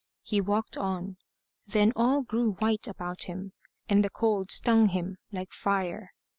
He walked on. Then all grew white about him; and the cold stung him like fire.